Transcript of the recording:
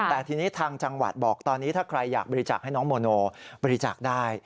แต่ทีนี้ทางจังหวัดบอกตอนนี้ถ้าใครอยากบริจาคให้น้องโมโนบริจาคได้